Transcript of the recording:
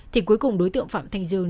thì cuối cùng đối tượng phạm thanh dương